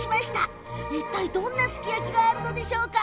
いったい、どんなすき焼きがあるんでしょうか？